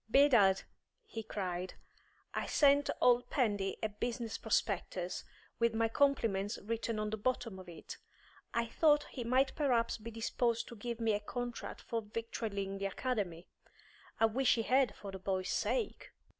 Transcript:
"Bedad," he cried, "I sent old Pendy a business prospectus, with my compliments written on the bottom of it. I thought he might perhaps be disposed to give me a contract for victualling the Academy. I wish he had, for the boys' sake."